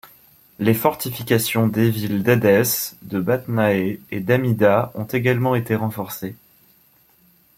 Les fortifications des villes d'Édesse, de Batnae et d'Amida ont également été renforcées.